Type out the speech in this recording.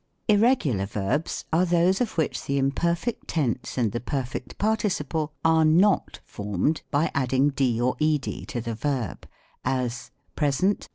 Irregular Verbs are those of which the imperfect tense and the perfect participle are not formed by adding d or ed to the verb : as, PRESENT.